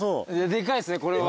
でかいっすねこれは。